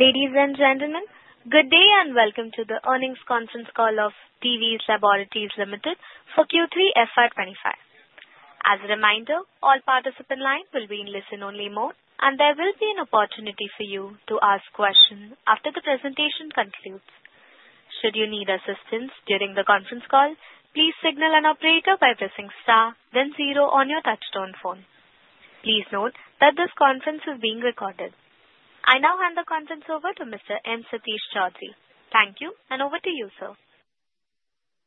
Ladies and gentlemen, good day and welcome to the earnings conference call of Divi's Laboratories Limited for Q3 FY 2025. As a reminder, all participants' lines will be in listen-only mode, and there will be an opportunity for you to ask questions after the presentation concludes. Should you need assistance during the conference call, please signal an operator by pressing star, then zero on your touch-tone phone. Please note that this conference is being recorded. I now hand the conference over to Mr. M. Satish Choudhury. Thank you, and over to you, sir.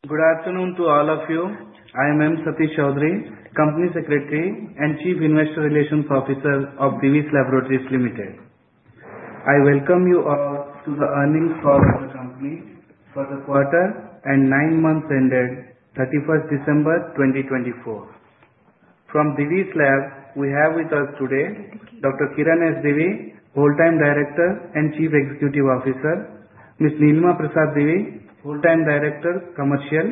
Good afternoon to all of you. I am M. Satish Choudhury, Company Secretary and Chief Investor Relations Officer of Divi's Laboratories Limited. I welcome you all to the earnings call of the company for the quarter and nine months ended 31st December 2024. From Divi's Lab, we have with us today Dr. Kiran S. Divi, Whole-Time Director and Chief Executive Officer, Ms. Nilima Prasad Divi, Whole-Time Director, Commercial,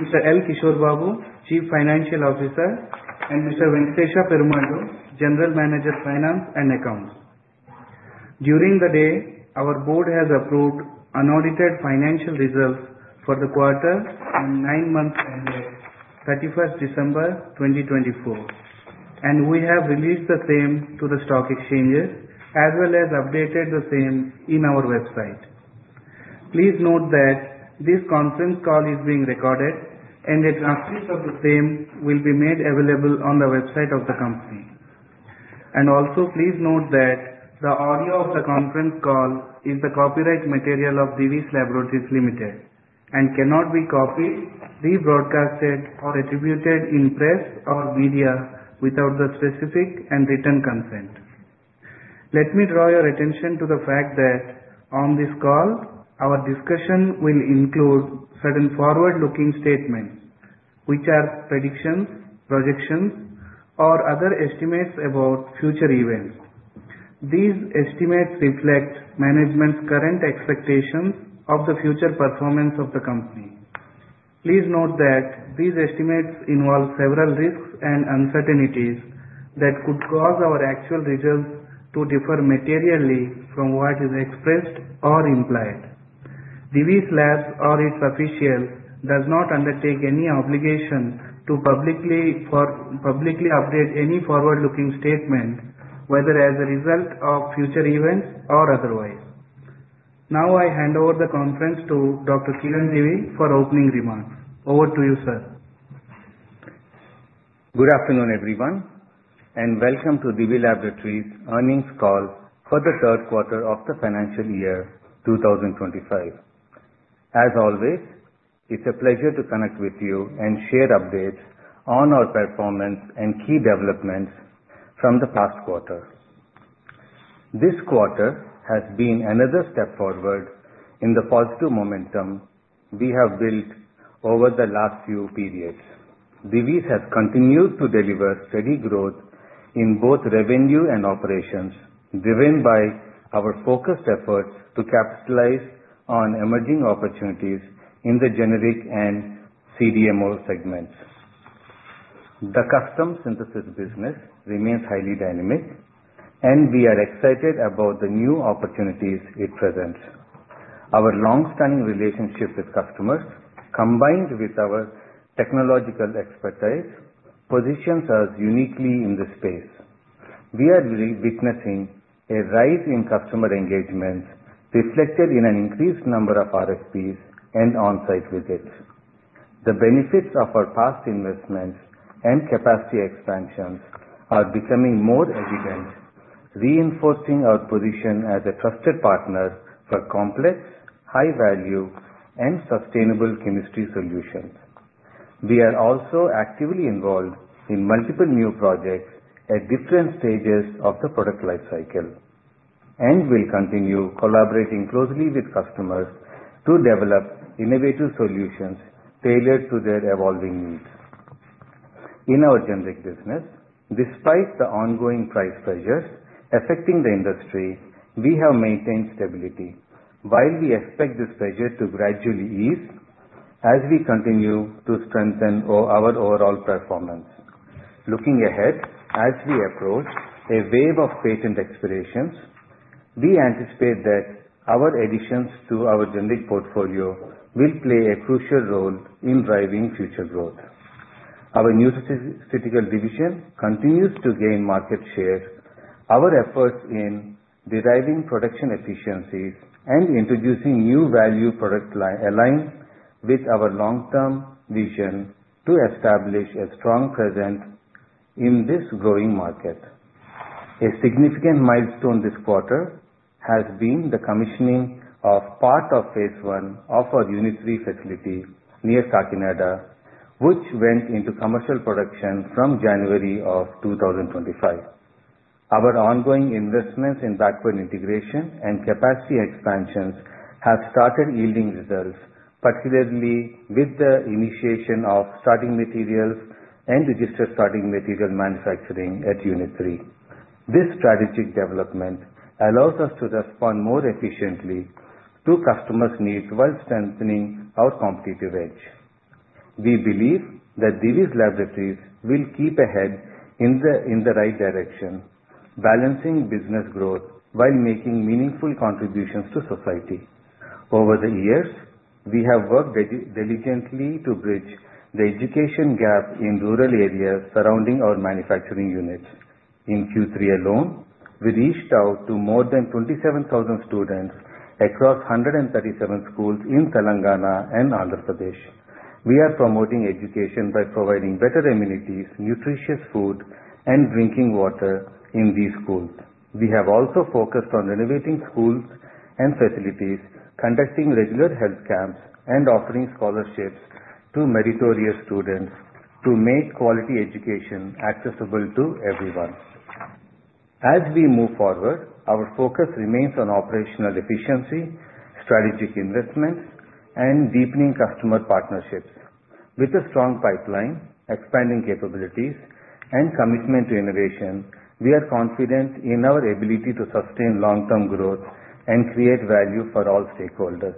Mr. L. Kishore Babu, Chief Financial Officer, and Mr. Venkatesa Perumallu, General Manager, Finance and Accounts. During the day, our board has approved unaudited financial results for the quarter and nine months ended 31st December 2024, and we have released the same to the stock exchanges as well as updated the same on our website. Please note that this conference call is being recorded, and the transcripts of the same will be made available on the website of the company. Also, please note that the audio of the conference call is the copyright material of Divi's Laboratories Limited and cannot be copied, rebroadcast, or attributed in press or media without the specific and written consent. Let me draw your attention to the fact that on this call, our discussion will include certain forward-looking statements, which are predictions, projections, or other estimates about future events. These estimates reflect management's current expectations of the future performance of the company. Please note that these estimates involve several risks and uncertainties that could cause our actual results to differ materially from what is expressed or implied. Divi's Labs, or its officials, do not undertake any obligation to publicly update any forward-looking statement, whether as a result of future events or otherwise. Now, I hand over the conference to Dr. Kiran Divi for opening remarks. Over to you, sir. Good afternoon, everyone, and welcome to Divi's Laboratories' earnings call for the third quarter of the financial year 2025. As always, it's a pleasure to connect with you and share updates on our performance and key developments from the past quarter. This quarter has been another step forward in the positive momentum we have built over the last few periods. Divi's has continued to deliver steady growth in both revenue and operations, driven by our focused efforts to capitalize on emerging opportunities in the generic and CDMO segments. The custom synthesis business remains highly dynamic, and we are excited about the new opportunities it presents. Our long-standing relationship with customers, combined with our technological expertise, positions us uniquely in this space. We are witnessing a rise in customer engagement reflected in an increased number of RFPs and on-site visits. The benefits of our past investments and capacity expansions are becoming more evident, reinforcing our position as a trusted partner for complex, high-value, and sustainable chemistry solutions. We are also actively involved in multiple new projects at different stages of the product life cycle and will continue collaborating closely with customers to develop innovative solutions tailored to their evolving needs. In our generic business, despite the ongoing price pressures affecting the industry, we have maintained stability, while we expect this pressure to gradually ease as we continue to strengthen our overall performance. Looking ahead as we approach a wave of patent expirations, we anticipate that our additions to our generic portfolio will play a crucial role in driving future growth. Our new nutraceuticals division continues to gain market share. Our efforts in deriving production efficiencies and introducing new value products align with our long-term vision to establish a strong presence in this growing market. A significant milestone this quarter has been the commissioning of part of Phase I of our unit three facility near Kakinada, which went into commercial production from January of 2025. Our ongoing investments in backbone integration and capacity expansions have started yielding results, particularly with the initiation of starting materials and registered starting material manufacturing at unit three. This strategic development allows us to respond more efficiently to customers' needs while strengthening our competitive edge. We believe that Divi's Laboratories will keep ahead in the right direction, balancing business growth while making meaningful contributions to society. Over the years, we have worked diligently to bridge the education gap in rural areas surrounding our manufacturing units. In Q3 alone, we reached out to more than 27,000 students across 137 schools in Telangana and Andhra Pradesh. We are promoting education by providing better amenities, nutritious food, and drinking water in these schools. We have also focused on renovating schools and facilities, conducting regular health camps, and offering scholarships to meritorious students to make quality education accessible to everyone. As we move forward, our focus remains on operational efficiency, strategic investments, and deepening customer partnerships. With a strong pipeline, expanding capabilities, and commitment to innovation, we are confident in our ability to sustain long-term growth and create value for all stakeholders.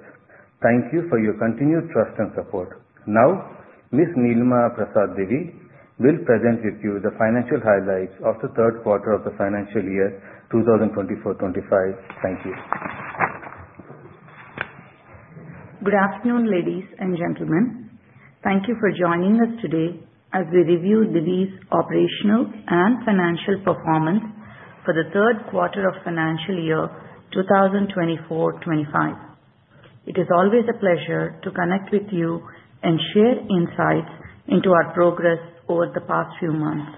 Thank you for your continued trust and support. Now, Ms. Nilima Prasad Divi will present with you the financial highlights of the third quarter of the financial year 2024-2025. Thank you. Good afternoon, ladies and gentlemen. Thank you for joining us today as we review Divi's operational and financial performance for the third quarter of financial year 2024-2025. It is always a pleasure to connect with you and share insights into our progress over the past few months.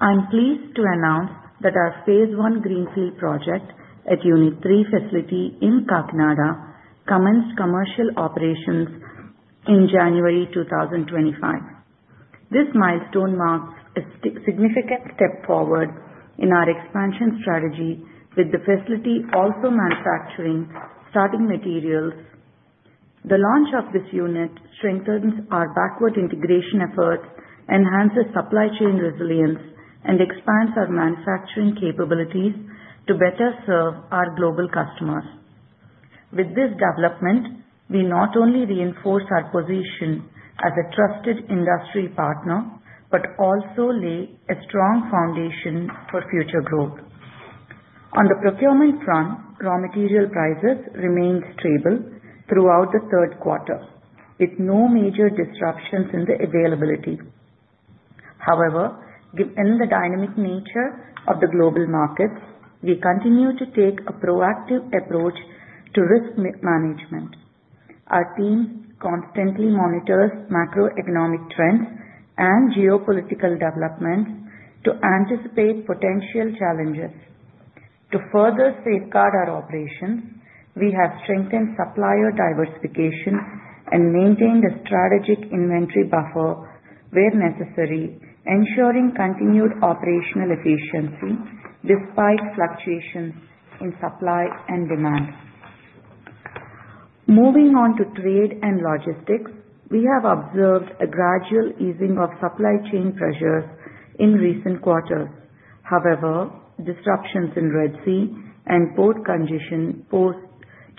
I'm pleased to announce that our Phase I greenfield project at Unit Three facility in Kakinada commenced commercial operations in January 2025. This milestone marks a significant step forward in our expansion strategy, with the facility also manufacturing starting materials. The launch of this unit strengthens our backbone integration efforts, enhances supply chain resilience, and expands our manufacturing capabilities to better serve our global customers. With this development, we not only reinforce our position as a trusted industry partner, but also lay a strong foundation for future growth. On the procurement front, raw material prices remained stable throughout the third quarter, with no major disruptions in the availability. However, given the dynamic nature of the global markets, we continue to take a proactive approach to risk management. Our team constantly monitors macroeconomic trends and geopolitical developments to anticipate potential challenges. To further safeguard our operations, we have strengthened supplier diversification and maintained a strategic inventory buffer where necessary, ensuring continued operational efficiency despite fluctuations in supply and demand. Moving on to trade and logistics, we have observed a gradual easing of supply chain pressures in recent quarters. However, disruptions in Red Sea and port conditions posed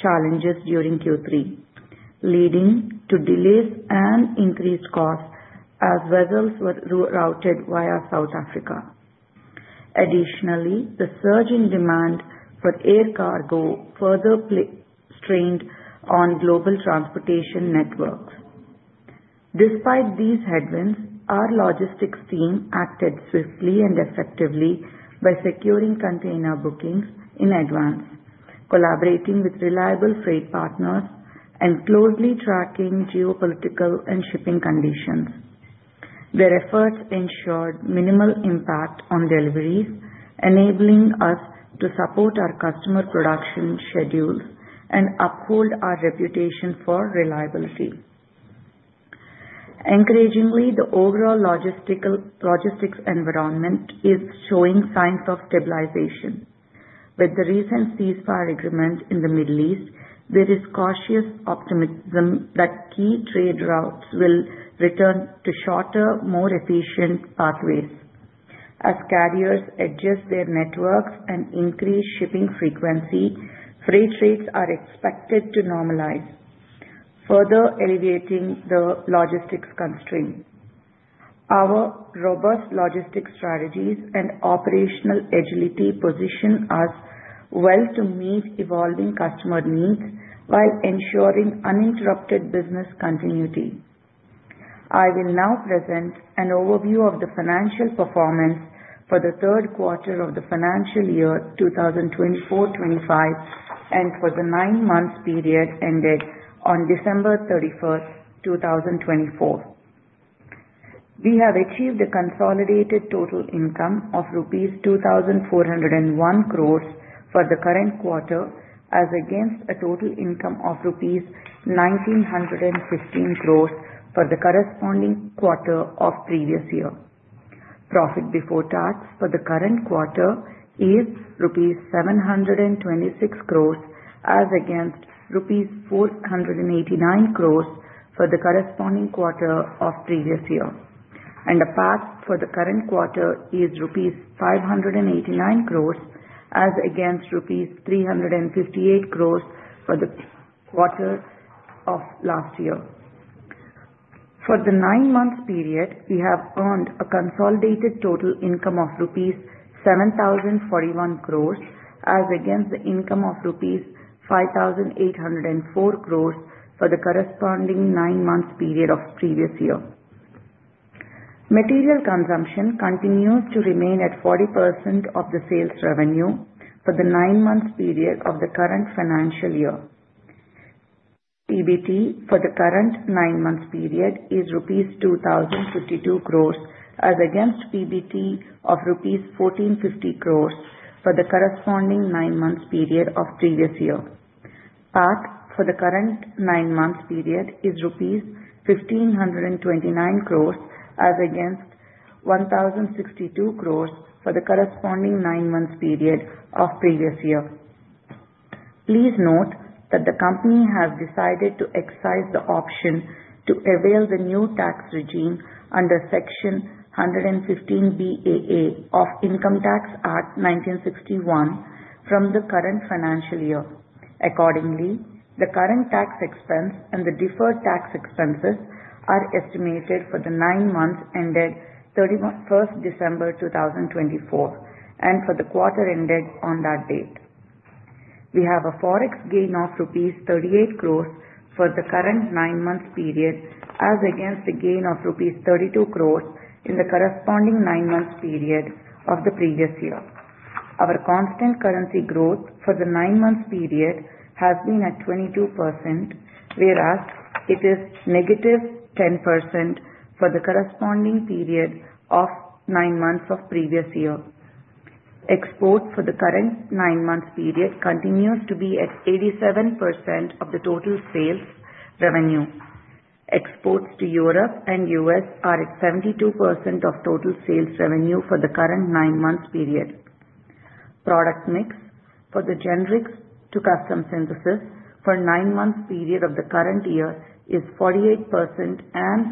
challenges during Q3, leading to delays and increased costs as vessels were routed via South Africa. Additionally, the surging demand for air cargo further strained on global transportation networks. Despite these headwinds, our logistics team acted swiftly and effectively by securing container bookings in advance, collaborating with reliable freight partners, and closely tracking geopolitical and shipping conditions. Their efforts ensured minimal impact on deliveries, enabling us to support our customer production schedules and uphold our reputation for reliability. Encouragingly, the overall logistics environment is showing signs of stabilization. With the recent ceasefire agreement in the Middle East, there is cautious optimism that key trade routes will return to shorter, more efficient pathways. As carriers adjust their networks and increase shipping frequency, freight rates are expected to normalize, further alleviating the logistics constraint. Our robust logistics strategies and operational agility position us well to meet evolving customer needs while ensuring uninterrupted business continuity. I will now present an overview of the financial performance for the third quarter of the financial year 2024-25 and for the nine-month period ended on December 31st, 2024. We have achieved a consolidated total income of rupees 2,401 crores for the current quarter as against a total income of rupees 1,915 crores for the corresponding quarter of previous year. Profit before tax for the current quarter is rupees 726 crores as against rupees 489 crores for the corresponding quarter of previous year, and a PAT for the current quarter is rupees 589 crores as against rupees 358 crores for the quarter of last year. For the nine-month period, we have earned a consolidated total income of rupees 7,041 crores as against the income of rupees 5,804 crores for the corresponding nine-month period of previous year. Material consumption continues to remain at 40% of the sales revenue for the nine-month period of the current financial year. PBT for the current nine-month period is rupees 2,052 crores as against PBT of rupees 1,450 crores for the corresponding nine-month period of previous year. PAT for the current nine-month period is rupees 1,529 crores as against 1,062 crores for the corresponding nine-month period of previous year. Please note that the company has decided to exercise the option to avail the new tax regime under Section 115BAA of Income Tax Act 1961 from the current financial year. Accordingly, the current tax expense and the deferred tax expenses are estimated for the nine months ended 31st December 2024 and for the quarter ended on that date. We have a forex gain of rupees 38 crores for the current nine-month period as against the gain of INR. 32 crores in the corresponding nine-month period of the previous year. Our constant currency growth for the nine-month period has been at 22%, whereas it is negative 10% for the corresponding period of nine months of previous year. Exports for the current nine-month period continues to be at 87% of the total sales revenue. Exports to Europe and U.S. are at 72% of total sales revenue for the current nine-month period. Product mix for the generics to custom synthesis for nine-month period of the current year is 48% and 52%,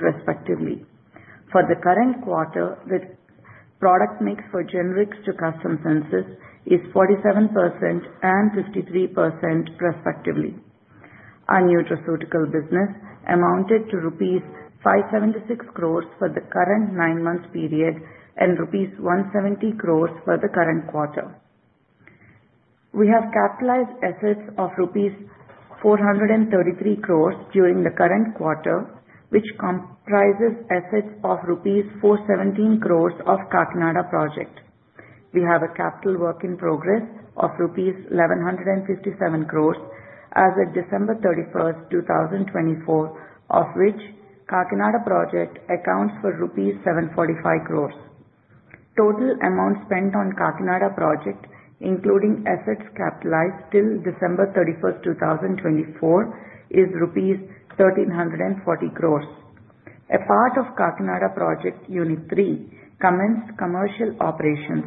respectively. For the current quarter, the product mix for generics to custom synthesis is 47% and 53%, respectively. Our nutraceuticals business amounted to rupees 576 crores for the current nine-month period and rupees 170 crores for the current quarter. We have capitalized assets of rupees 433 crores during the current quarter, which comprises assets of rupees 417 crores of Kakinada Project. We have a capital work in progress of rupees 1,157 crores as of December 31st, 2024, of which Kakinada Project accounts for 745 crores rupees. Total amount spent on Kakinada Project, including assets capitalized till December 31st, 2024, is rupees 1,340 crores. A part of Kakinada Project, Unit Three, commenced commercial operations.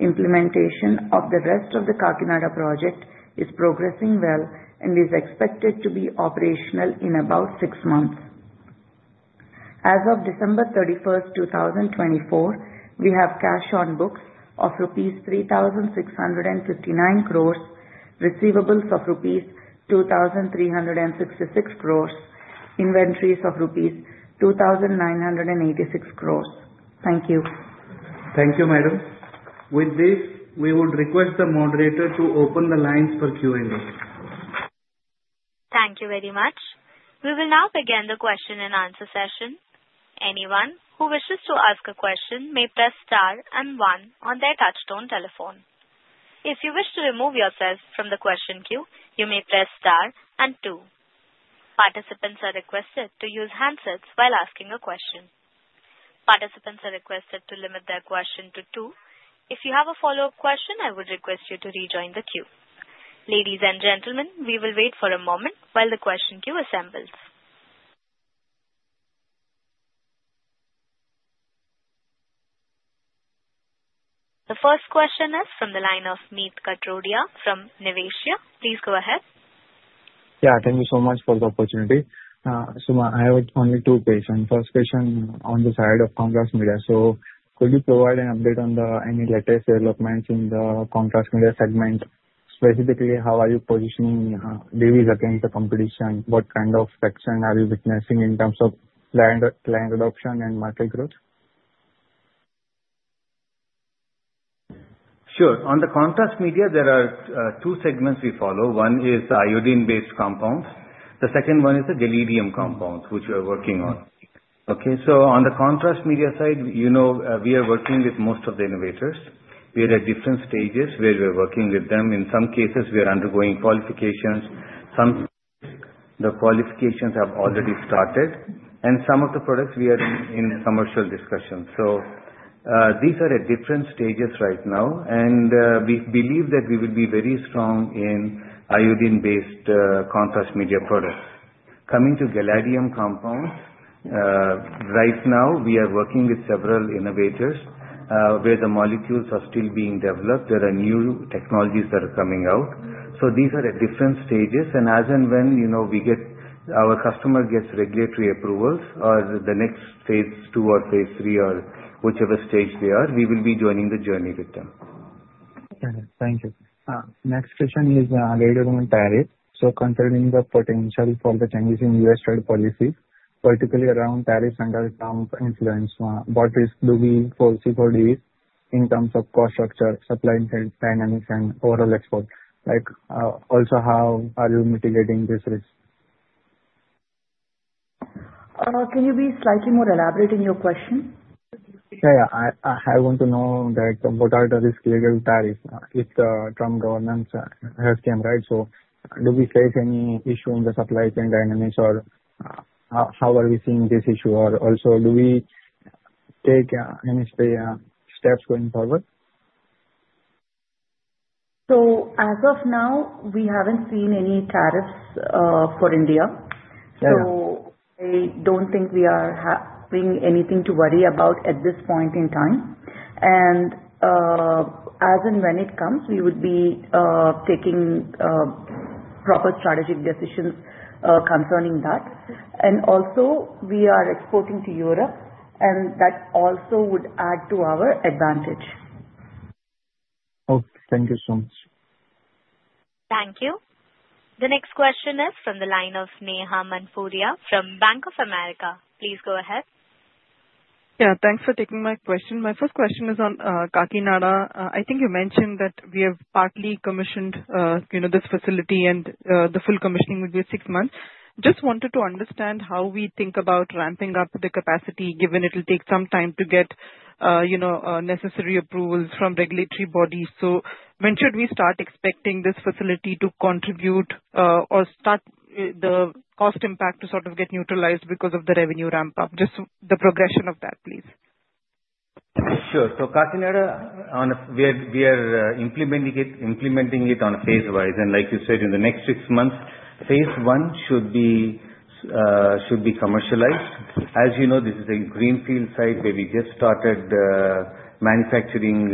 Implementation of the rest of the Kakinada Project is progressing well and is expected to be operational in about six months. As of December 31st, 2024, we have cash on books of INR 3,659 crores, receivables of INR 2,366 crores, inventories of INR 2,986 crores. Thank you. Thank you, madam. With this, we would request the moderator to open the lines for Q&A. Thank you very much. We will now begin the question and answer session. Anyone who wishes to ask a question may press star and one on their touch-tone telephone. If you wish to remove yourself from the question queue, you may press star and two. Participants are requested to use handsets while asking a question. Participants are requested to limit their question to two. If you have a follow-up question, I would request you to rejoin the queue. Ladies and gentlemen, we will wait for a moment while the question queue assembles. The first question is from the line of Meet Katrodiya from Niveshaay. Please go ahead. Yeah, thank you so much for the opportunity. So I have only two questions. First question on the side of Contrast Media. So could you provide an update on any latest developments in the contrast media segment? Specifically, how are you positioning Divi's against the competition? What kind of traction are you witnessing in terms of client adoption and market growth? Sure. On the contrast media, there are two segments we follow. One is iodine-based compounds. The second one is the gadolinium compounds, which we are working on. Okay. So on the contrast media side, we are working with most of the innovators. We are at different stages where we are working with them. In some cases, we are undergoing qualifications. Some of the qualifications have already started, and some of the products we are in commercial discussion. So these are at different stages right now, and we believe that we will be very strong in iodine-based contrast media products. Coming to gadolinium compounds, right now, we are working with several innovators where the molecules are still being developed. There are new technologies that are coming out. So these are at different stages. As and when our customer gets regulatory approvals or the next Phase II or Phase III or whichever stage they are, we will be joining the journey with them. Thank you. Thank you. Next question is related to tariffs, so considering the potential for the changes in U.S. trade policies, particularly around tariffs and tariffs influence, what risk do we foresee for Divi's in terms of cost structure, supply and dynamics, and overall export? Also, how are you mitigating this risk? Can you be slightly more elaborate in your question? Yeah, yeah. I want to know that what are the risk-related tariffs if the Trump government has come? Right? So do we face any issue in the supply chain dynamics, or how are we seeing this issue? Or also, do we take any steps going forward? So as of now, we haven't seen any tariffs for India. So I don't think we are having anything to worry about at this point in time. And also, we are exporting to Europe, and that also would add to our advantage. Okay. Thank you so much. Thank you. The next question is from the line of Neha Manpuria from Bank of America. Please go ahead. Yeah, thanks for taking my question. My first question is on Kakinada. I think you mentioned that we have partly commissioned this facility, and the full commissioning would be six months. Just wanted to understand how we think about ramping up the capacity, given it will take some time to get necessary approvals from regulatory bodies. So when should we start expecting this facility to contribute or start the cost impact to sort of get neutralized because of the revenue ramp-up? Just the progression of that, please. Sure. Kakinada, we are implementing it on a phase-wise, and like you said, in the next six months, Phase I should be commercialized. As you know, this is a greenfield site where we just started manufacturing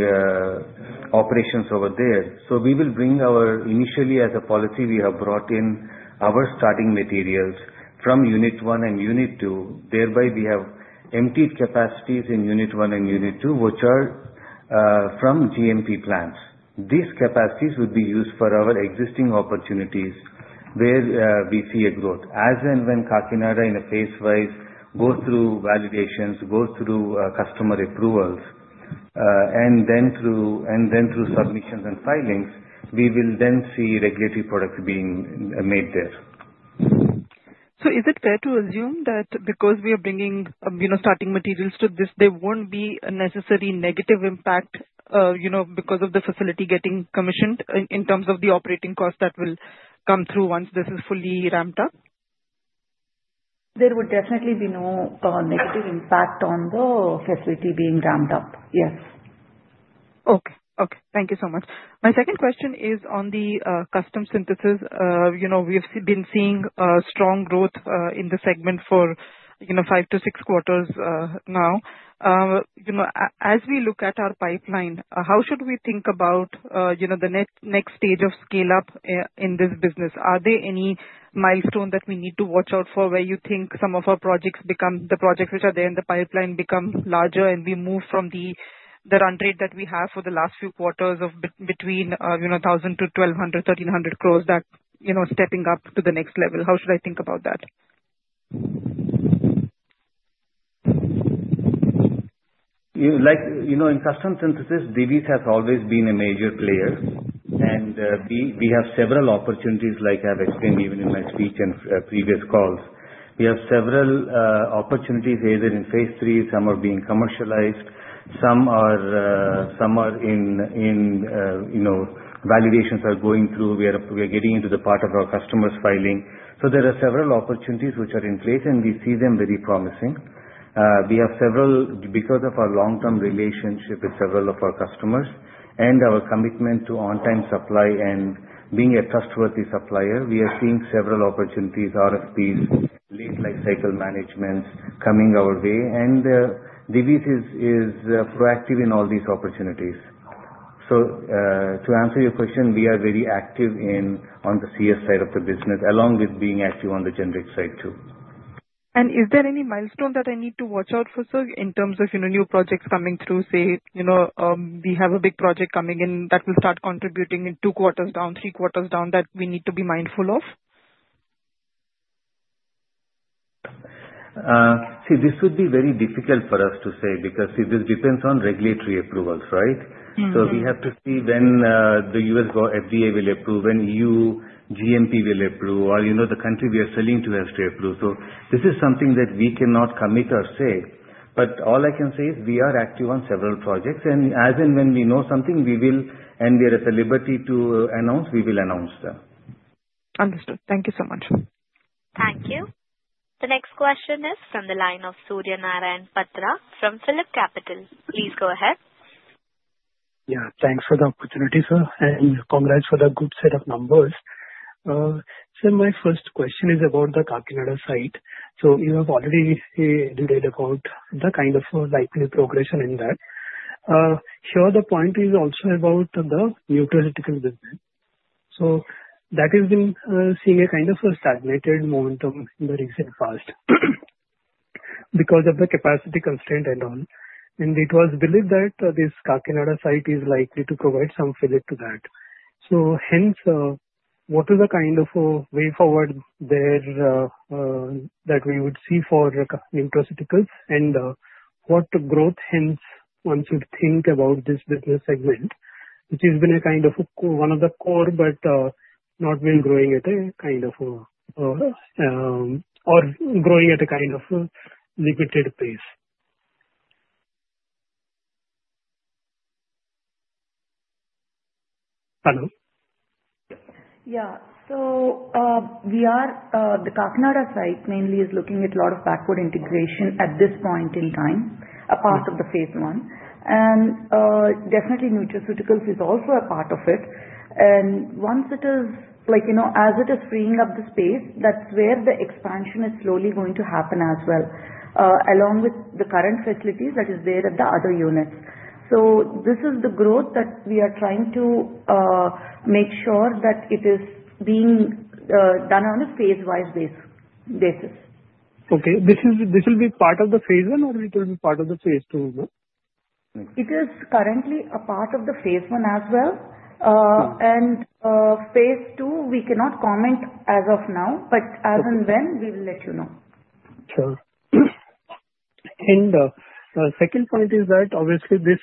operations over there. We will bring our initially, as a policy, we have brought in our starting materials from Unit One and Unit Two. Thereby, we have emptied capacities in Unit One and Unit Two, which are from GMP plants. These capacities would be used for our existing opportunities where we see a growth. As and when Kakinada, in a phase-wise, goes through validations, goes through customer approvals, and then through submissions and filings, we will then see regulatory products being made there. So is it fair to assume that because we are bringing starting materials to this, there won't be a necessary negative impact because of the facility getting commissioned in terms of the operating costs that will come through once this is fully ramped up? There would definitely be no negative impact on the facility being ramped up. Yes. Okay. Okay. Thank you so much. My second question is on the custom synthesis. We have been seeing strong growth in the segment for five to six quarters now. As we look at our pipeline, how should we think about the next stage of scale-up in this business? Are there any milestones that we need to watch out for where you think some of our projects become, the projects which are there in the pipeline, become larger and we move from the run rate that we have for the last few quarters of between 1,000 to 1,200, 1,300 crores, that stepping up to the next level? How should I think about that? In custom synthesis, Divi's has always been a major player, and we have several opportunities, like I've explained even in my speech and previous calls. We have several opportunities either in Phase III, some are being commercialized, some are in validations, are going through. We are getting into the part of our customers filing. So there are several opportunities which are in place, and we see them very promising. We have several, because of our long-term relationship with several of our customers and our commitment to on-time supply and being a trustworthy supplier, we are seeing several opportunities, RFPs, late-life cycle managements coming our way, and Divi's is proactive in all these opportunities, so to answer your question, we are very active on the CS side of the business, along with being active on the generic side too. Is there any milestone that I need to watch out for, sir, in terms of new projects coming through? Say we have a big project coming in that will start contributing in two quarters down, three quarters down that we need to be mindful of? See, this would be very difficult for us to say because this depends on regulatory approvals, right? So we have to see when the US FDA will approve, when GMP will approve, or the country we are selling to has to approve. So this is something that we cannot commit or say. But all I can say is we are active on several projects. And as and when we know something, we will, and we have the liberty to announce, we will announce them. Understood. Thank you so much. Thank you. The next question is from the line of Surya Narayan Patra from PhillipCapital. Please go ahead. Yeah. Thanks for the opportunity, sir, and congrats for the good set of numbers. So my first question is about the Kakinada site. So you have already read about the kind of likely progression in that. Here, the point is also about the nutraceuticals business. So that has been seeing a kind of stagnated momentum in the recent past because of the capacity constraint and all. And it was believed that this Kakinada site is likely to provide some fill to that. So hence, what is the kind of way forward that we would see for nutraceuticals and what growth hence one should think about this business segment, which has been a kind of one of the core, but not really growing at a kind of or growing at a kind of liquidated pace. Hello. Yeah. So the Kakinada site mainly is looking at a lot of backward integration at this point in time, a part of the Phase I. And definitely, nutraceuticals is also a part of it. And once it is, as it is freeing up the space, that's where the expansion is slowly going to happen as well, along with the current facilities that are there at the other units. So this is the growth that we are trying to make sure that it is being done on a phase-wise basis. Okay. This will be part of the Phase I, or it will be part of the Phase II? It is currently a part of the Phase I as well, and Phase II, we cannot comment as of now, but as and when we will let you know. Sure. And the second point is that, obviously, this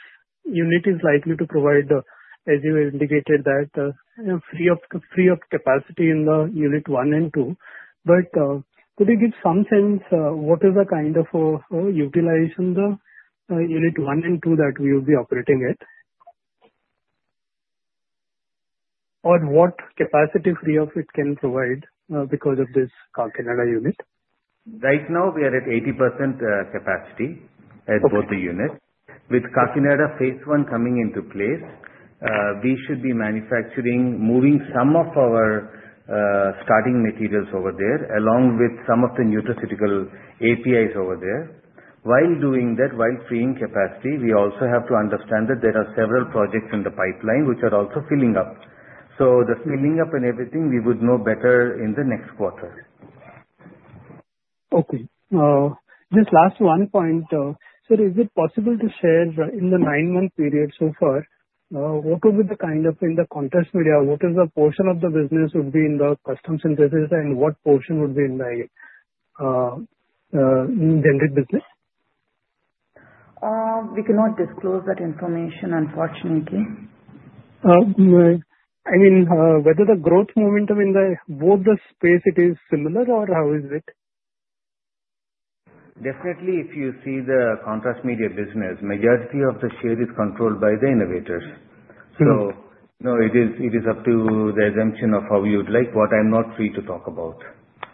unit is likely to provide, as you indicated, that frees up capacity in the Unit One and Two. But could you give some sense of what is the kind of utilization of the Unit One and Two that we will be operating at, or what free capacity it can provide because of this Kakinada unit? Right now, we are at 80% capacity at both the units. With Kakinada Phase I coming into place, we should be manufacturing, moving some of our starting materials over there, along with some of the nutraceutical APIs over there. While doing that, while freeing capacity, we also have to understand that there are several projects in the pipeline which are also filling up. So the filling up and everything, we would know better in the next quarter. Okay. Just last one point. So is it possible to share in the nine-month period so far, what would be the kind of in the contrast media, what is the portion of the business would be in the custom synthesis, and what portion would be in the generic business? We cannot disclose that information, unfortunately. I mean, whether the growth momentum in both the space, it is similar or how is it? Definitely, if you see the contrast media business, majority of the share is controlled by the innovators. So it is up to the discretion of how you would like, but I'm not free to talk about.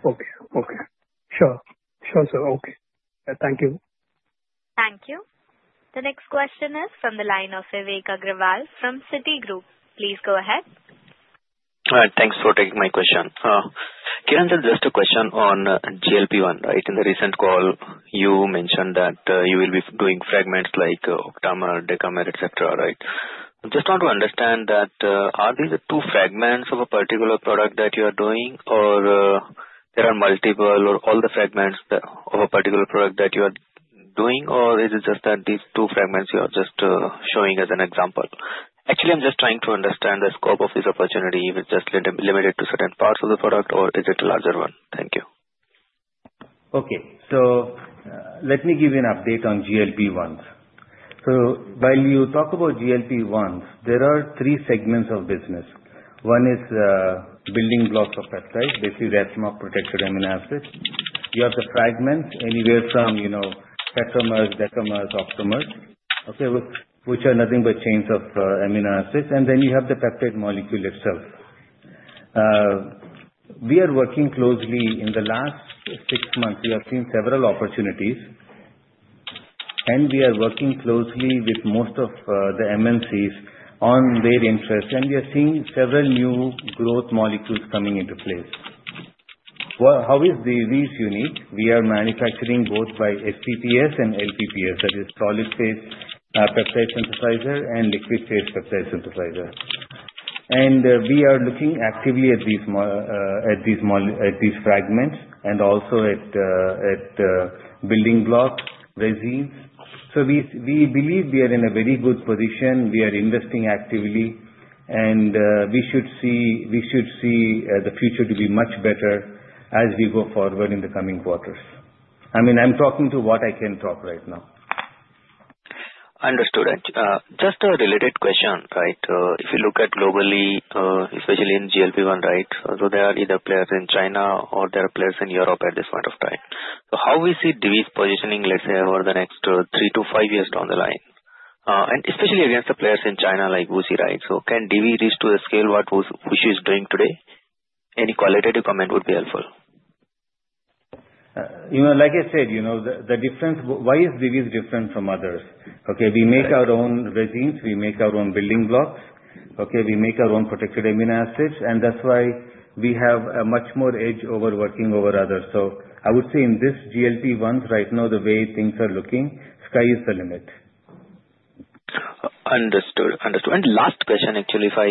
Okay. Okay. Sure. Sure, sir. Okay. Thank you. Thank you. The next question is from the line of Vivek Agarwal from Citigroup. Please go ahead. All right. Thanks for taking my question. Kiran Divi, just a question on GLP-1, right? In the recent call, you mentioned that you will be doing fragments like octamer, decamer, etc., right? I just want to understand that are these two fragments of a particular product that you are doing, or there are multiple or all the fragments of a particular product that you are doing, or is it just that these two fragments you are just showing as an example? Actually, I'm just trying to understand the scope of this opportunity. Is it just limited to certain parts of the product, or is it a larger one? Thank you. Okay, so let me give you an update on GLP-1s. While you talk about GLP-1s, there are three segments of business. One is building blocks of peptides, basically Fmoc-protected amino acids. You have the fragments anywhere from tetramers, decamers, octamers, okay, which are nothing but chains of amino acids. Then you have the peptide molecule itself. We are working closely in the last six months. We have seen several opportunities, and we are working closely with most of the MNCs on their interests. We are seeing several new growth molecules coming into place. How is Divi's unique? We are manufacturing both by SPPS and LPPS, that is solid-phase peptide synthesis and liquid-phase peptide synthesis. We are looking actively at these fragments and also at building blocks, resins. So we believe we are in a very good position. We are investing actively, and we should see the future to be much better as we go forward in the coming quarters. I mean, I'm talking to what I can talk right now. Understood. Just a related question, right? If you look at globally, especially in GLP-1, right, so there are either players in China or there are players in Europe at this point of time. So how we see Divi's positioning, let's say, over the next three to five years down the line, and especially against the players in China like WuXi, right? So can Divi reach to the scale what WuXi is doing today? Any qualitative comment would be helpful. Like I said, the difference, why is Divi's different from others? Okay, we make our own resins. We make our own building blocks. Okay, we make our own protected amino acids, and that's why we have a much more edge over working over others. So I would say in this GLP-1s, right now, the way things are looking, sky is the limit. Understood. Understood. And last question, actually, if I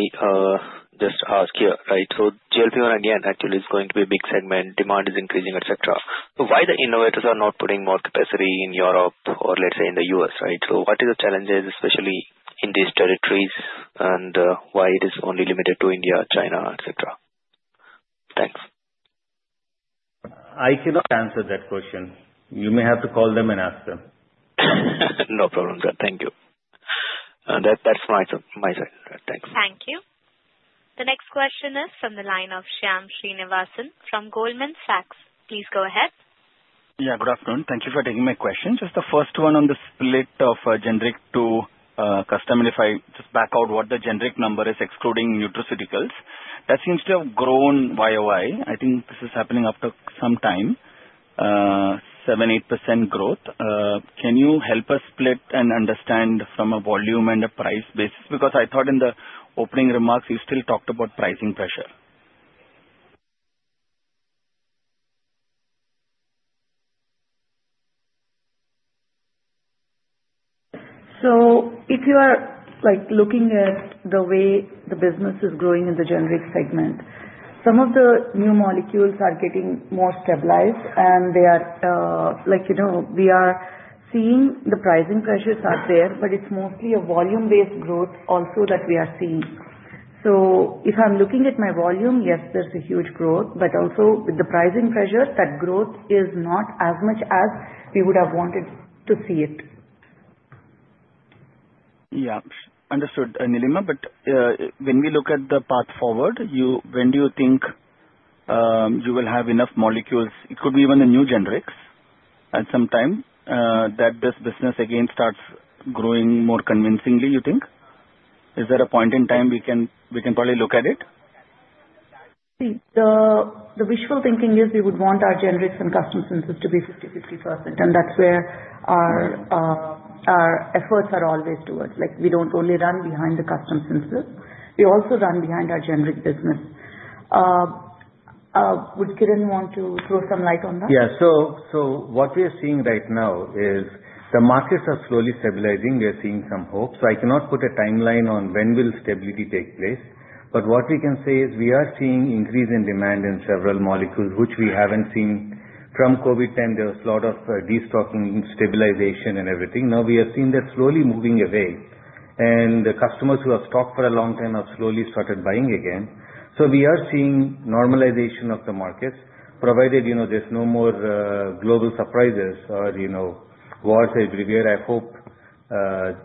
just ask here, right? So GLP-1, again, actually is going to be a big segment. Demand is increasing, etc. So why the innovators are not putting more capacity in Europe or, let's say, in the US, right? So what are the challenges, especially in these territories, and why it is only limited to India, China, etc.? Thanks. I cannot answer that question. You may have to call them and ask them. No problem. Thank you. That's my side. Thanks. Thank you. The next question is from the line of Shyam Srinivasan from Goldman Sachs. Please go ahead. Yeah. Good afternoon. Thank you for taking my question. Just the first one on the split of generic to custom, and if I just back out what the generic number is, excluding nutraceuticals, that seems to have grown YOY. I think this is happening after some time, 7-8% growth. Can you help us split and understand from a volume and a price basis? Because I thought in the opening remarks, you still talked about pricing pressure. So if you are looking at the way the business is growing in the generic segment, some of the new molecules are getting more stabilized, and they are like we are seeing the pricing pressures are there, but it's mostly a volume-based growth also that we are seeing. So if I'm looking at my volume, yes, there's a huge growth, but also with the pricing pressure, that growth is not as much as we would have wanted to see it. Yeah. Understood. Nilima, but when we look at the path forward, when do you think you will have enough molecules? It could be even the new generics at some time that this business again starts growing more convincingly, you think? Is there a point in time we can probably look at it? The visual thinking is we would want our generics and custom synthesis to be 50-50%, and that's where our efforts are always towards. We don't only run behind the custom synthesis. We also run behind our generic business. Would Kiran want to throw some light on that? Yeah. So what we are seeing right now is the markets are slowly stabilizing. We are seeing some hope. So I cannot put a timeline on when will stability take place, but what we can say is we are seeing increase in demand in several molecules, which we haven't seen from COVID time. There was a lot of destocking, stabilization, and everything. Now we have seen that slowly moving away, and the customers who have stocked for a long time have slowly started buying again. So we are seeing normalization of the markets, provided there's no more global surprises or wars everywhere. I hope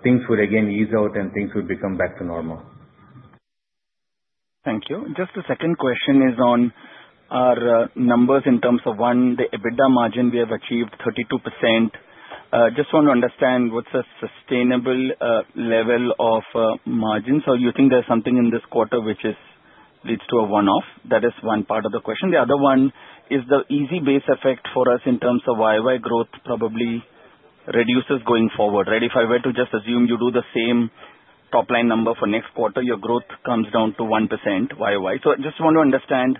things would again ease out and things would become back to normal. Thank you. Just the second question is on our numbers in terms of one, the EBITDA margin we have achieved 32%. Just want to understand what's a sustainable level of margins. So you think there's something in this quarter which leads to a one-off? That is one part of the question. The other one is the easy base effect for us in terms of YOY growth probably reduces going forward, right? If I were to just assume you do the same top-line number for next quarter, your growth comes down to 1% YOY. So I just want to understand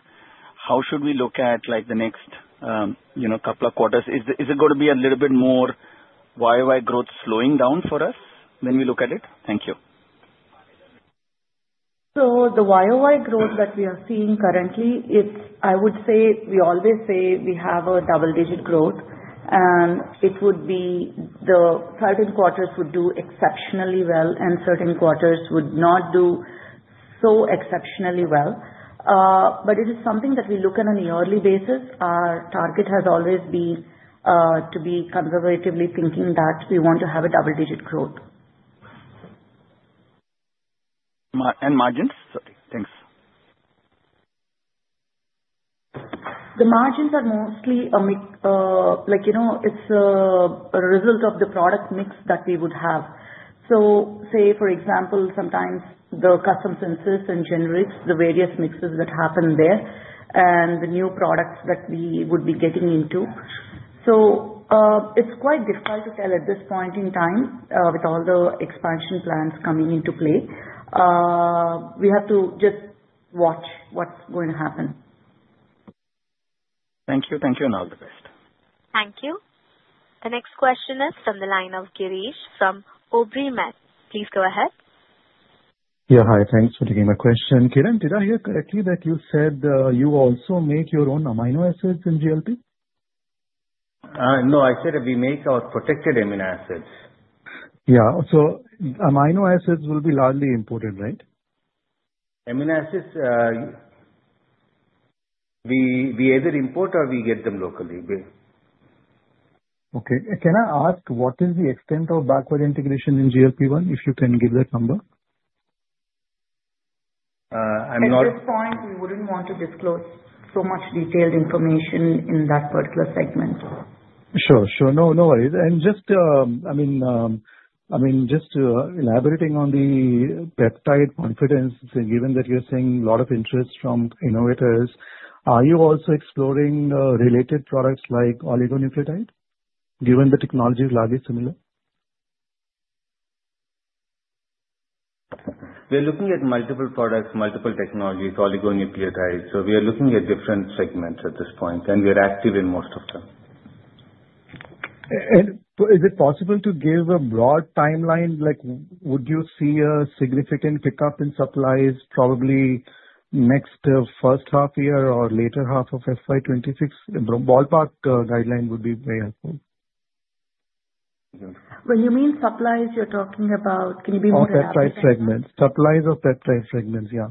how should we look at the next couple of quarters? Is it going to be a little bit more YOY growth slowing down for us when we look at it? Thank you. So the YOY growth that we are seeing currently, I would say we always say we have a double-digit growth, and it would be the certain quarters would do exceptionally well, and certain quarters would not do so exceptionally well. But it is something that we look at on a yearly basis. Our target has always been to be conservatively thinking that we want to have a double-digit growth. Margins? Thanks. The margins are mostly; it's a result of the product mix that we would have. So say, for example, sometimes the custom synthesis and generics, the various mixes that happen there and the new products that we would be getting into. So it's quite difficult to tell at this point in time with all the expansion plans coming into play. We have to just watch what's going to happen. Thank you. Thank you, and all the best. Thank you. The next question is from the line of Girish from OrbiMed. Please go ahead. Yeah. Hi. Thanks for taking my question. Kiran, did I hear correctly that you said you also make your own amino acids in GLP? No. I said we make our protected amino acids. Yeah. So amino acids will be largely imported, right? Amino acids, we either import or we get them locally. Okay. Can I ask what is the extent of backward integration in GLP-1 if you can give that number? At this point, we wouldn't want to disclose so much detailed information in that particular segment. Sure. Sure. No worries. And just, I mean, just elaborating on the peptide confidence, given that you're seeing a lot of interest from innovators, are you also exploring related products like oligonucleotide given the technology is largely similar? We're looking at multiple products, multiple technologies, oligonucleotides, so we are looking at different segments at this point, and we are active in most of them. Is it possible to give a broad timeline? Would you see a significant pickup in supplies probably next first half year or later half of FY 2026? Ballpark guideline would be very helpful. When you mean supplies, you're talking about, can you be more accurate? or peptide segments. Supplies or peptide segments, yeah.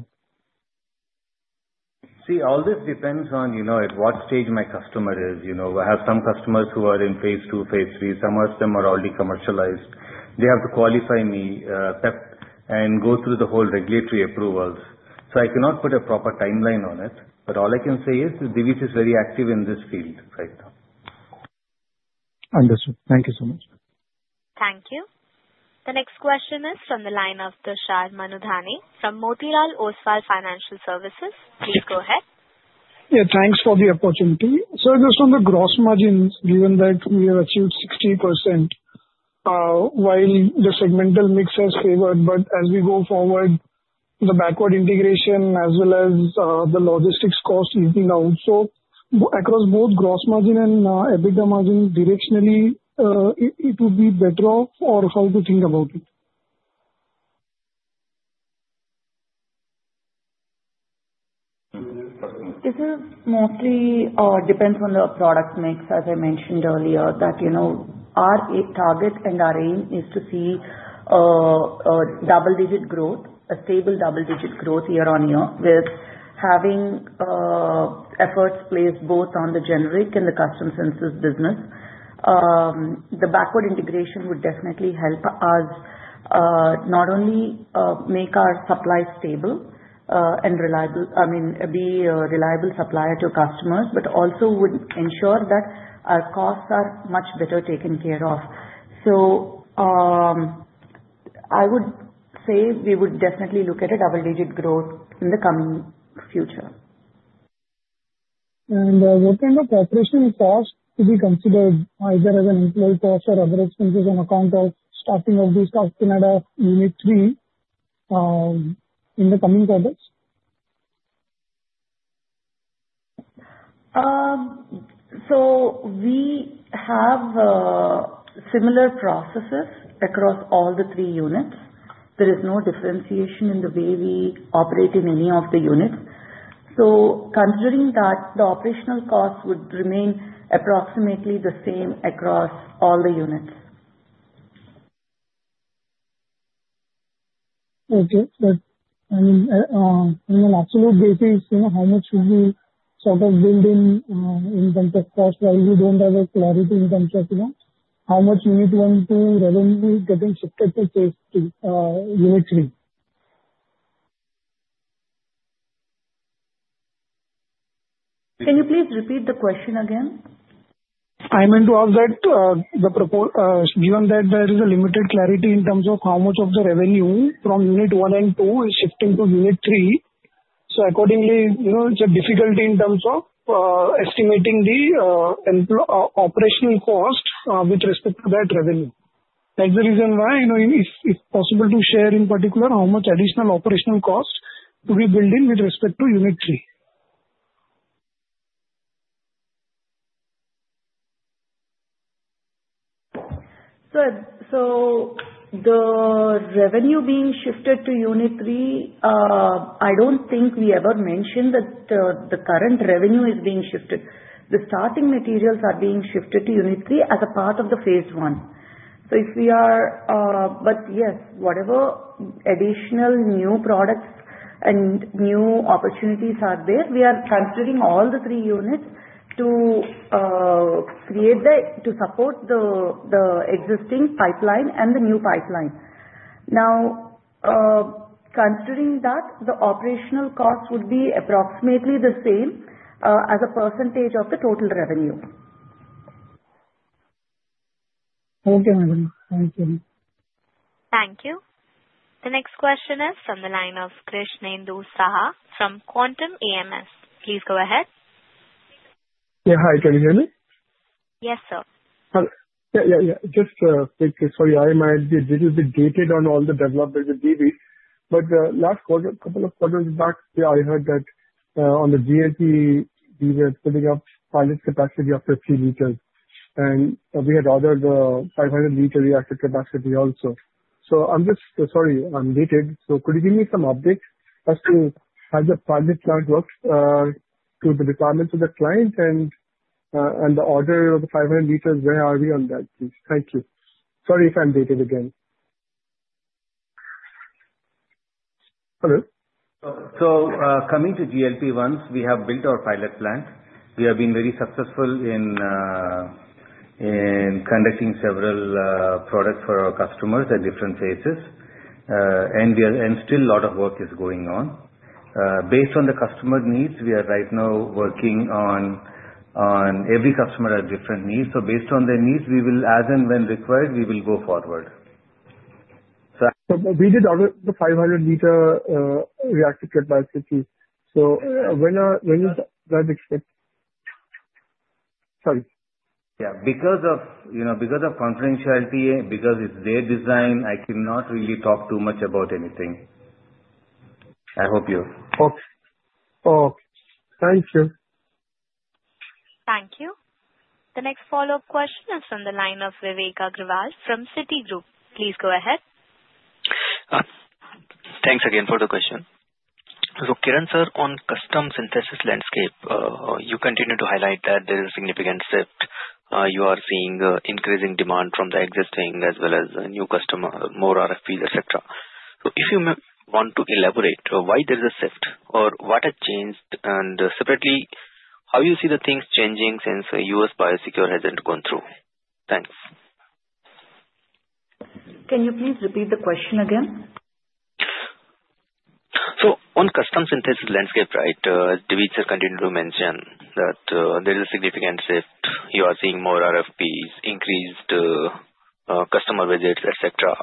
See, all this depends on at what stage my customer is. I have some customers who are in Phase II, Phase III. Some of them are already commercialized. They have to qualify me and go through the whole regulatory approvals. So I cannot put a proper timeline on it, but all I can say is Divi's is very active in this field right now. Understood. Thank you so much. Thank you. The next question is from the line of Tushar Manudhane from Motilal Oswal Financial Services. Please go ahead. Yeah. Thanks for the opportunity. So just on the gross margins, given that we have achieved 60% while the segmental mix has favored, but as we go forward, the backward integration as well as the logistics cost is being outsourced across both gross margin and EBITDA margin directionally, it would be better off, or how to think about it? This mostly depends on the product mix, as I mentioned earlier, that our target and our aim is to see a double-digit growth, a stable double-digit growth year on year with having efforts placed both on the generic and the custom synthesis business. The backward integration would definitely help us not only make our supply stable and reliable, I mean, be a reliable supplier to customers, but also would ensure that our costs are much better taken care of. So I would say we would definitely look at a double-digit growth in the coming future. What kind of operational costs to be considered, either as an employee cost or other expenses on account of starting of these stocks in Unit 3 in the coming quarters? So we have similar processes across all the three units. There is no differentiation in the way we operate in any of the units. So considering that, the operational costs would remain approximately the same across all the units. Okay. But I mean, on an absolute basis, how much would we sort of build in terms of cost while we don't have a clarity in terms of how much unit one to revenue getting shifted to Phase II, Unit Three? Can you please repeat the question again? I meant to ask that given that there is a limited clarity in terms of how much of the revenue from unit one and two is shifting to unit three. So accordingly, it's a difficulty in terms of estimating the operational cost with respect to that revenue. That's the reason why, if possible, to share in particular how much additional operational costs to be built in with respect to unit three. So the revenue being shifted to unit three, I don't think we ever mentioned that the current revenue is being shifted. The starting materials are being shifted to unit three as a part of the Phase I. So if we are but yes, whatever additional new products and new opportunities are there, we are considering all the three units to support the existing pipeline and the new pipeline. Now, considering that, the operational costs would be approximately the same as a percentage of the total revenue. Okay, Madam. Thank you. Thank you. The next question is from the line of Krishnendu Saha from Quantum Asset Management. Please go ahead. Yeah. Hi. Can you hear me? Yes, sir. Yeah. Just quickly. Sorry. I might be a little bit dated on all the development with Divi, but last quarter, a couple of quarters back, I heard that on the GLP-1, we were putting up pilot capacity of 50 meters, and we had ordered 500-meter reactor capacity also. So I'm just sorry. I'm dated. So could you give me some updates as to how the pilot plant works to the requirements of the client and the order of the 500 meters? Where are we on that, please? Thank you. Sorry if I'm dated again. Hello? So coming to GLP-1s, we have built our pilot plant. We have been very successful in conducting several products for our customers at different phases, and still a lot of work is going on. Based on the customer needs, we are right now working on every customer has different needs. So based on their needs, as and when required, we will go forward. So. So we did order the 500-meter reactor capacity. So when is that expected? Sorry. Yeah. Because of confidentiality, because it's their design, I cannot really talk too much about anything. I hope you. Okay. Okay. Thank you. Thank you. The next follow-up question is from the line of Vivek Agarwal from Citigroup. Please go ahead. Thanks again for the question. So Kiran sir, on custom synthesis landscape, you continue to highlight that there is a significant shift. You are seeing increasing demand from the existing as well as new customers, more RFPs, etc. So if you want to elaborate why there is a shift or what has changed, and separately, how you see the things changing since U.S. Biosecure hasn't gone through? Thanks. Can you please repeat the question again? On custom synthesis landscape, right, Divi sir continued to mention that there is a significant shift. You are seeing more RFPs, increased customer visits, etc.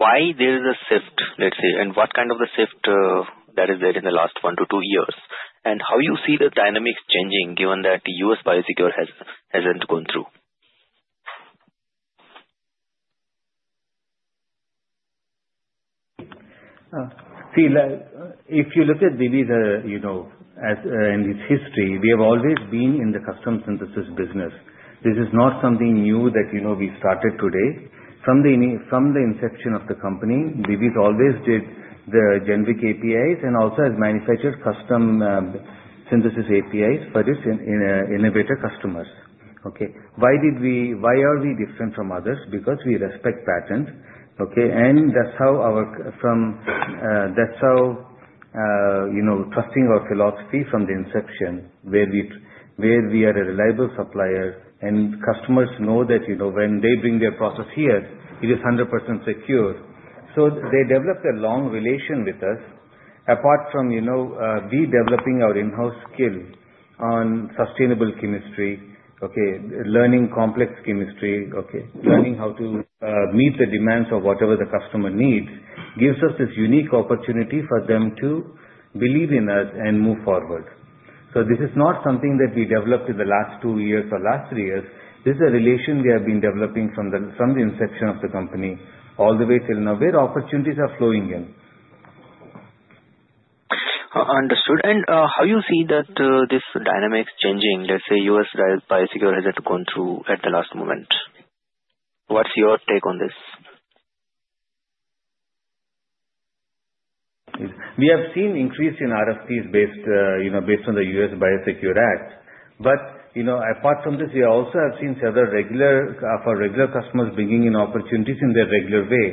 Why there is a shift, let's say, and what kind of a shift that is there in the last one to two years, and how you see the dynamics changing given that U.S. Biosecure hasn't gone through? See, if you look at Divi in its history, we have always been in the custom synthesis business. This is not something new that we started today. From the inception of the company, Divi's always did the generic APIs and also has manufactured custom synthesis APIs for its innovator customers. Okay. Why are we different from others? Because we respect patents. Okay. And that's how our trusting philosophy from the inception where we are a reliable supplier and customers know that when they bring their process here, it is 100% secure. So they developed a long relation with us. Apart from developing our in-house skill on sustainable chemistry, okay, learning complex chemistry, okay, learning how to meet the demands of whatever the customer needs gives us this unique opportunity for them to believe in us and move forward. So this is not something that we developed in the last two years or last three years. This is a relation we have been developing from the inception of the company all the way till now where opportunities are flowing in. Understood. And how you see that this dynamic changing, let's say U.S. Biosecure Act hasn't gone through at the last moment? What's your take on this? We have seen increase in RFPs based on the U.S. Biosecure Act. But apart from this, we also have seen for regular customers bringing in opportunities in their regular way.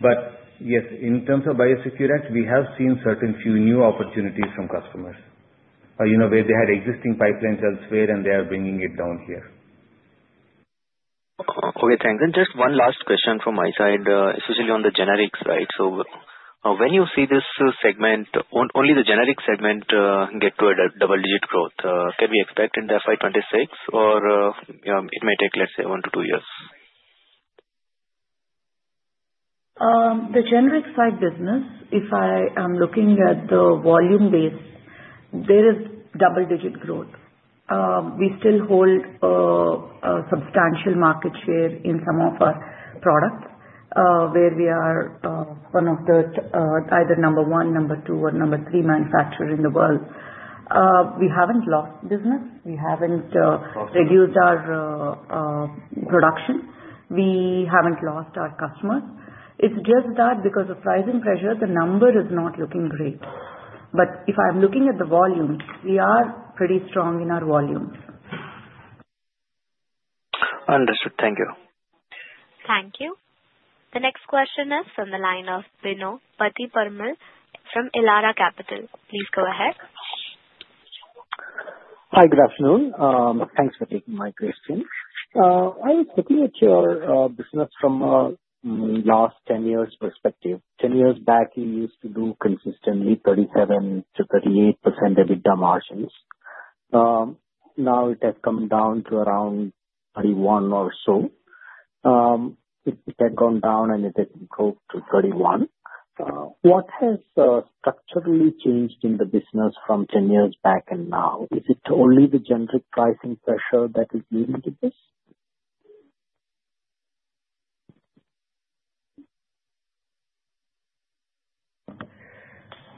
But yes, in terms of Biosecure Act, we have seen certain few new opportunities from customers where they had existing pipelines elsewhere, and they are bringing it down here. Okay. Thanks. And just one last question from my side, especially on the generics, right? So when you see this segment, only the generic segment get to a double-digit growth. Can we expect in FY 2026, or it may take, let's say, one to two years? The generic side business, if I am looking at the volume base, there is double-digit growth. We still hold a substantial market share in some of our products where we are one of the either number one, number two, or number three manufacturers in the world. We haven't lost business. We haven't reduced our production. We haven't lost our customers. It's just that because of pricing pressure, the number is not looking great. But if I'm looking at the volume, we are pretty strong in our volumes. Understood. Thank you. Thank you. The next question is from the line of Bino Pathiparampil from Elara Capital. Please go ahead. Hi. Good afternoon. Thanks for taking my question. I was looking at your business from a last 10 years perspective. 10 years back, we used to do consistently 37%-38% EBITDA margins. Now it has come down to around 31% or so. It had gone down, and it had grown to 31%. What has structurally changed in the business from 10 years back and now? Is it only the generic pricing pressure that is leading to this?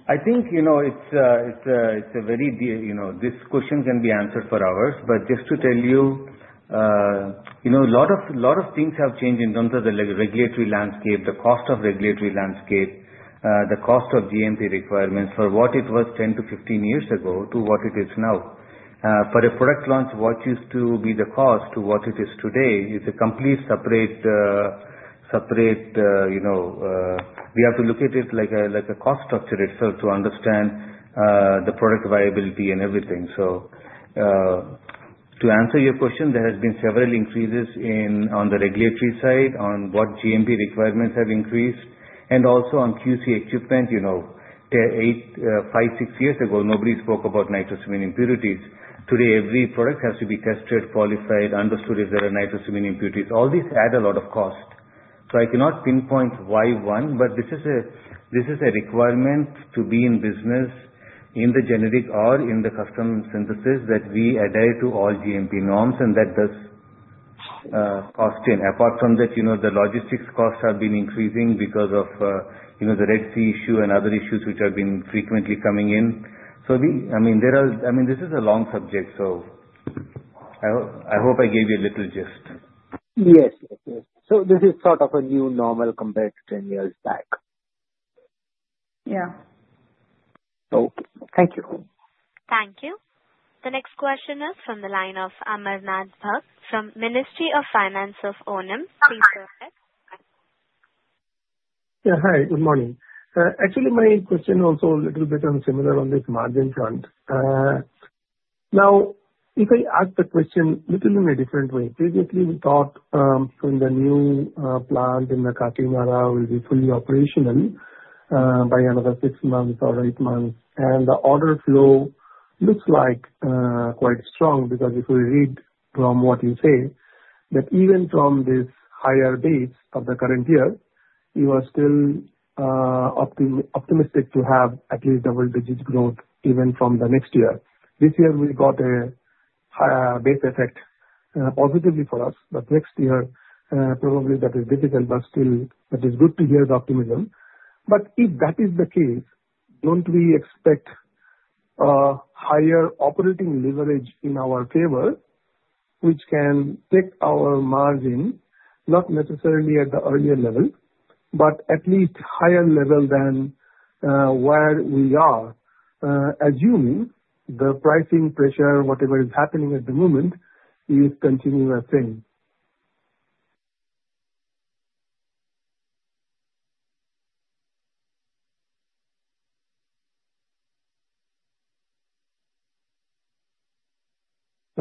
I think this question can be answered for hours, but just to tell you, a lot of things have changed in terms of the regulatory landscape, the cost of GMP requirements for what it was 10-15 years ago to what it is now. For a product launch, what used to be the cost to what it is today is a complete separate we have to look at it like a cost structure itself to understand the product viability and everything. So to answer your question, there have been several increases on the regulatory side on what GMP requirements have increased, and also on QC equipment. Five, six years ago, nobody spoke about nitrosamine impurities. Today, every product has to be tested, qualified, understood if there are nitrosamine impurities. All these add a lot of cost. So I cannot pinpoint why one, but this is a requirement to be in business in the generic or in the custom synthesis that we adhere to all GMP norms, and that does cost in. Apart from that, the logistics costs have been increasing because of the Red Sea issue and other issues which have been frequently coming in. So I mean, this is a long subject. So I hope I gave you a little gist. Yes. Yes. Yes. So this is sort of a new normal compared to 10 years back. Yeah. Okay. Thank you. Thank you. The next question is from the line of Amarnath Bhakat from Ministry of Finance of Oman. Please go ahead. Yeah. Hi. Good morning. Actually, my question also a little bit similar on this margin front. Now, if I ask the question a little in a different way, previously we thought when the new plant in the Kakinada will be fully operational by another six months or eight months, and the order flow looks like quite strong because if we read from what you say that even from this higher base of the current year, we were still optimistic to have at least double-digit growth even from the next year. This year, we got a base effect positively for us, but next year, probably that is difficult, but still that is good to hear the optimism. But if that is the case, don't we expect higher operating leverage in our favor, which can take our margin, not necessarily at the earlier level, but at least higher level than where we are, assuming the pricing pressure, whatever is happening at the moment, is continuing to ascend? Hello? See,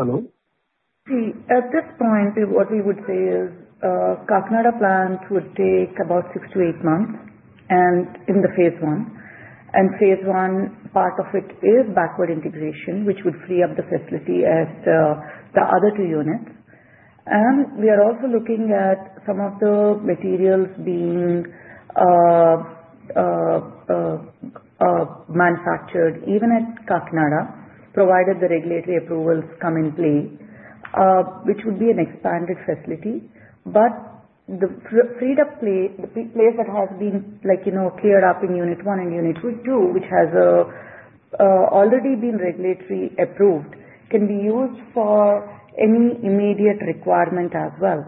at this point, what we would say is Kakinada plant would take about six to eight months in the Phase I, and Phase 1, part of it is backward integration, which would free up the facility at the other two units. We are also looking at some of the materials being manufactured even at Kakinada, provided the regulatory approvals come in play, which would be an expanded facility. The freed-up place that has been cleared up in Unit 1 and Unit 2, which has already been regulatory approved, can be used for any immediate requirement as well.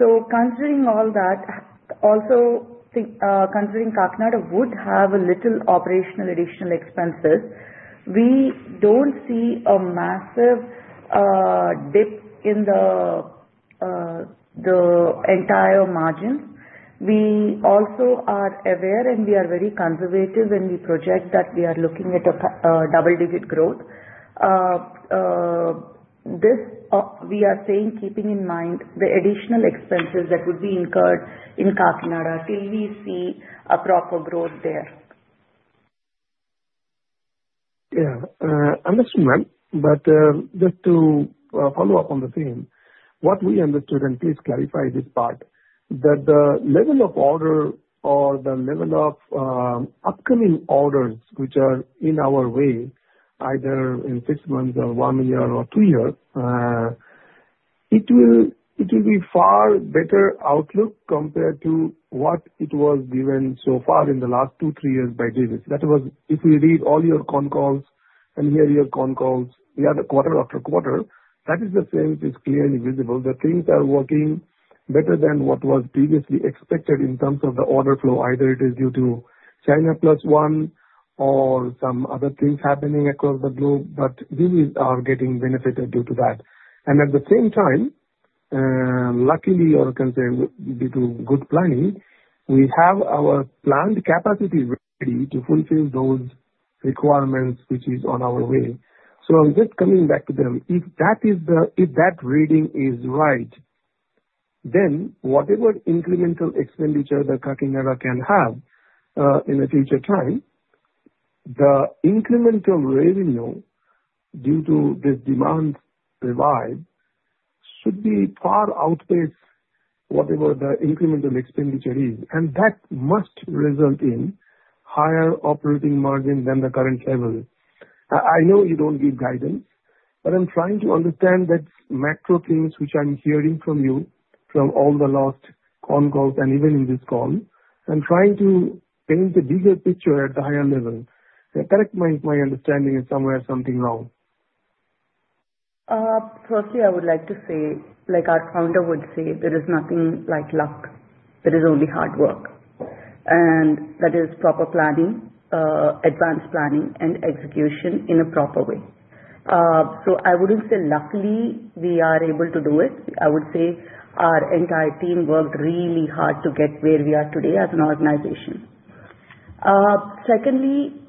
Considering all that, also considering Kakinada would have a little operational additional expenses, we don't see a massive dip in the entire margins. We also are aware, and we are very conservative when we project that we are looking at a double-digit growth. We are saying, keeping in mind the additional expenses that would be incurred in Kakinada till we see a proper growth there. Yeah. Understood, ma'am. But just to follow up on the same, what we understood, and please clarify this part, that the level of order or the level of upcoming orders which are in our way, either in six months or one year or two years, it will be a far better outlook compared to what it was given so far in the last two, three years by Divi. That was if we read all your con calls and hear your con calls quarter after quarter, that is the same. It is clearly visible that things are working better than what was previously expected in terms of the order flow, either it is due to China Plus One or some other things happening across the globe, but Divi are getting benefited due to that. And at the same time, luckily, or I can say due to good planning, we have our planned capacity ready to fulfill those requirements which is on our way. So I'm just coming back to them. If that reading is right, then whatever incremental expenditure that Kakinada can have in a future time, the incremental revenue due to this demand revised should be far outpaced whatever the incremental expenditure is. And that must result in higher operating margin than the current level. I know you don't give guidance, but I'm trying to understand that macro things which I'm hearing from you from all the last con calls and even in this call. I'm trying to paint a bigger picture at the higher level. Correct my understanding if somewhere something wrong. Firstly, I would like to say, like our founder would say, there is nothing like luck. There is only hard work, and that is proper planning, advanced planning, and execution in a proper way, so I wouldn't say luckily we are able to do it. I would say our entire team worked really hard to get where we are today as an organization. Secondly,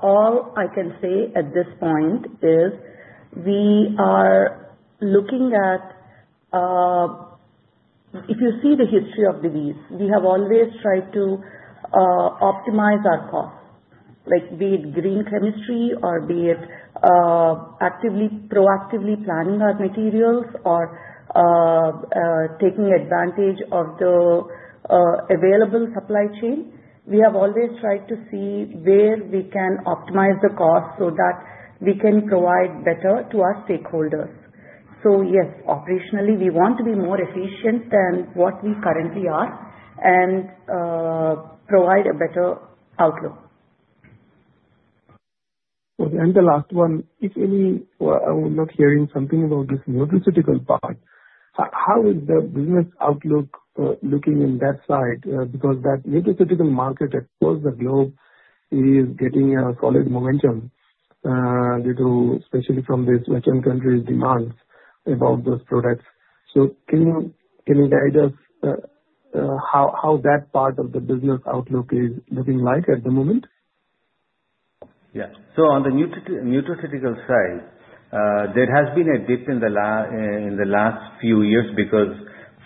all I can say at this point is we are looking at if you see the history of Divi's. We have always tried to optimize our costs, be it green chemistry or be it proactively planning our materials or taking advantage of the available supply chain. We have always tried to see where we can optimize the costs so that we can provide better to our stakeholders. So yes, operationally, we want to be more efficient than what we currently are and provide a better outlook. Okay. And the last one, if any I was not hearing something about this nutraceuticals part. How is the business outlook looking in that side? Because that nutraceutical market across the globe is getting a solid momentum due to especially from the Western countries' demands about those products. So can you guide us how that part of the business outlook is looking like at the moment? Yeah. So on the nutraceuticals side, there has been a dip in the last few years because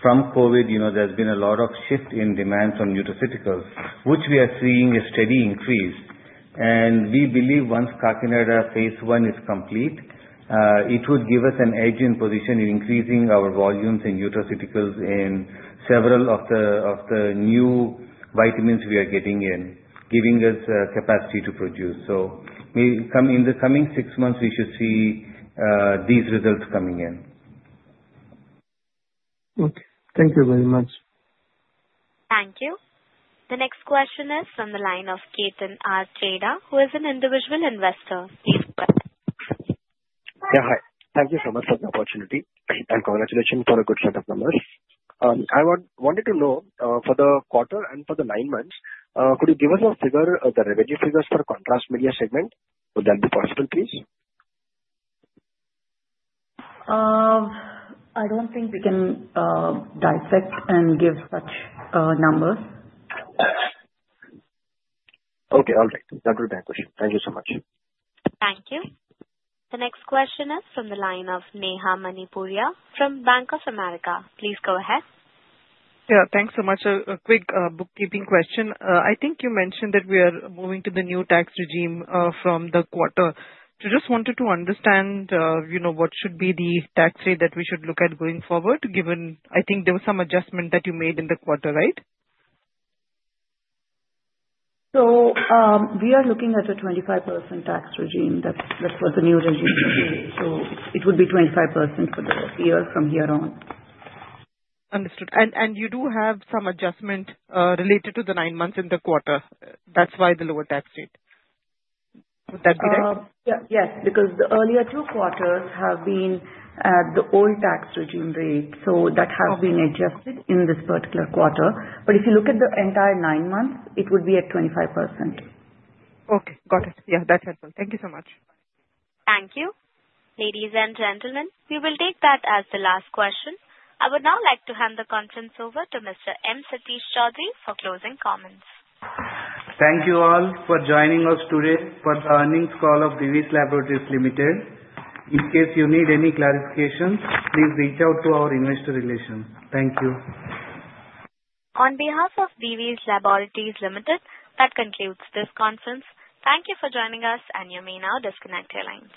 from COVID, there's been a lot of shift in demands on nutraceuticals, which we are seeing a steady increase. We believe once Kakinada Phase I is complete, it would give us an edge in position in increasing our volumes in nutraceuticals in several of the new vitamins we are getting in, giving us capacity to produce. In the coming six months, we should see these results coming in. Okay. Thank you very much. Thank you. The next question is from the line of Ketan R. Chheda, who is an individual investor. Yeah. Hi. Thank you so much for the opportunity and congratulations for a good set of numbers. I wanted to know for the quarter and for the nine months, could you give us a figure, the revenue figures for contrast media segment? Would that be possible, please? I don't think we can dissect and give such numbers. Okay. All right. That will be my question. Thank you so much. Thank you. The next question is from the line of Neha Manpuria from Bank of America. Please go ahead. Yeah. Thanks so much. A quick bookkeeping question. I think you mentioned that we are moving to the new tax regime from the quarter. So just wanted to understand what should be the tax rate that we should look at going forward, given I think there was some adjustment that you made in the quarter, right? So we are looking at a 25% tax regime. That was the new regime. So it would be 25% for the year from here on. Understood. And you do have some adjustment related to the nine months in the quarter. That's why the lower tax rate. Would that be right? Yes. Because the earlier two quarters have been at the old tax regime rate. So that has been adjusted in this particular quarter. But if you look at the entire nine months, it would be at 25%. Okay. Got it. Yeah. That's helpful. Thank you so much. Thank you. Ladies and gentlemen, we will take that as the last question. I would now like to hand the conference over to Mr. M. Satish Choudhury for closing comments. Thank you all for joining us today for the earnings call of Divi's Laboratories Limited. In case you need any clarifications, please reach out to our investor relations. Thank you. On behalf of Divi's Laboratories Limited, that concludes this conference. Thank you for joining us, and you may now disconnect your lines.